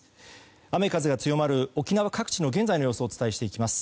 雨風が強まる沖縄各地の現在の様子をお伝えしていきます。